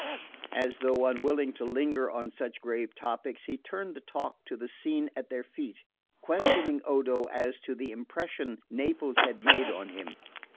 As though unwilling to linger on such grave topics, he turned the talk to the scene at their feet, questioning Odo as to the impression Naples had made on him.